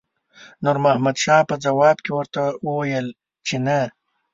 نور محمد شاه په ځواب کې ورته وویل چې نه.